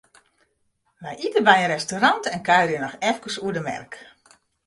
Wy ite by in restaurant en kuierje noch efkes oer de merk.